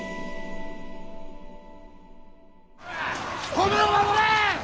米を守れ！